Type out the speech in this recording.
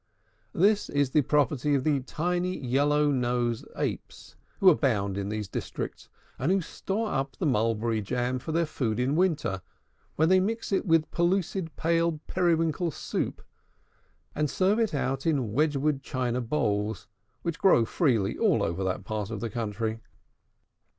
This is the property of the tiny, yellow nosed Apes who abound in these districts, and who store up the mulberry jam for their food in winter, when they mix it with pellucid pale periwinkle soup, and serve it out in wedgewood china bowls, which grow freely all over that part of the country.